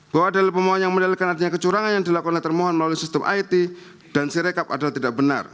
bahwa dalil pemohon yang mendalilkan artinya kecurangan yang dilakukan oleh termohon melalui sistem it dan sirekap adalah tidak benar